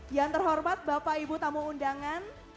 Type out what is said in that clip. yang terhormat bapak ibu tamu undangan